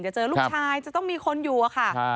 เจอลูกชายจะต้องมีคนอยู่อะค่ะ